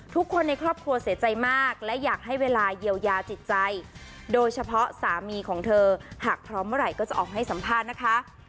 ทุกคนในครอบครัวเสียใจมากและอยากให้เวลาเยียวยาจิตใจโดยเฉพาะสามีของเธอหากพร้อมเมื่อไหร่ก็จะออกให้สัมภาษณ์นะคะ